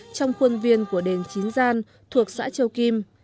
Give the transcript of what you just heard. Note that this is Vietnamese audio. trong khuôn viên của đền chín gian thuộc xã châu kim